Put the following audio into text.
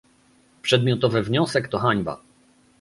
Przedmiotowy wniosek to hańba